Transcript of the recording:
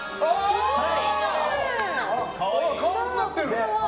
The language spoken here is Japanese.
顔になってる！